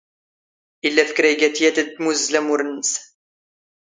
ⵉⵍⵍⴰ ⴼ ⴽⵔⴰⵢⴳⴰⵜ ⵢⴰⵜ ⴰⴷ ⵜⵎⵓⵣⵣⵍ ⴰⵎⵓⵔ ⵏⵏⵙ.